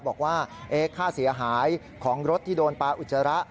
บอกว่าค่าเสียหายของรถที่โดนปลาอุจจาระ